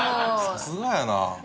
さすがやなあ。